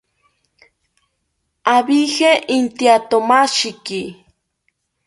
Abije intyatomashiki